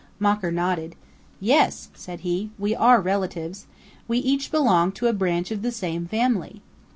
Mocker nodded. "Yes," said he, "we are relatives. We each belong to a branch of the same family."